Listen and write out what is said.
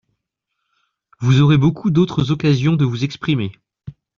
Vous aurez beaucoup d’autres occasions de vous exprimer.